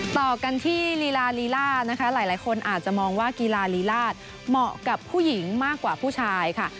ต่อกันที่ลีลาลีล่านะคะหลายคนอาจจะมองว่ากีฬาลีลาดเหมาะกับผู้หญิงมากกว่าผู้ชายค่ะ